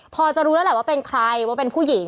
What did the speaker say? พอจะรู้แล้วแหละว่าเป็นใครว่าเป็นผู้หญิง